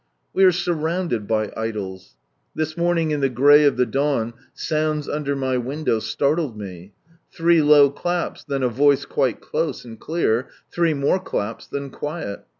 We are surrounded by Idols. This morning in the grey of the dawn, sounds under my window startled me ; three low claps, then a voice quite close, and clear, three more claps, then quiet.